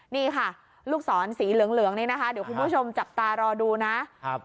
นี่ค่ะลูกศรสีเหลืองนี้นะคะเดี๋ยวคุณผู้ชมจับตารอดูนะครับ